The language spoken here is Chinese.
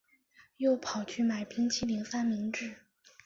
又跑去买冰淇淋三明治